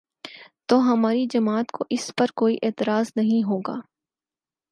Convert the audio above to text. تو ہماری جماعت کو اس پر کوئی اعتراض نہیں ہو گا۔